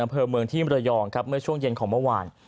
อำเภอเมืองที่มรยองครับเมื่อช่วงเย็นของเมื่อวาน